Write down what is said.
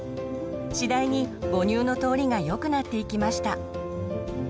次第に母乳の通りがよくなっていきました。